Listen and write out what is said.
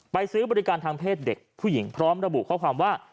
ซื้อบริการทางเพศเด็กผู้หญิงพร้อมระบุข้อความว่า